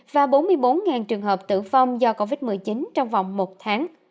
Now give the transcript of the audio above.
và bốn mươi bốn trường hợp tử vong do covid một mươi chín trong vòng một tháng